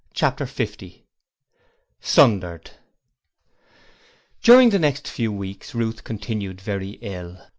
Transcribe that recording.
Chapter 50 Sundered During the next few weeks Ruth continued very ill.